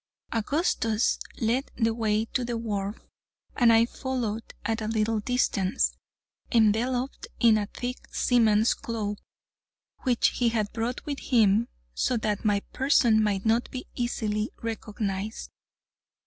Augustus led the way to the wharf, and I followed at a little distance, enveloped in a thick seaman's cloak, which he had brought with him, so that my person might not be easily recognized.